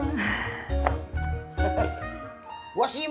gue simpen biar gak hilang